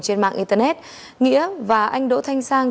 trên mạng internet nghĩa và anh đỗ thanh sang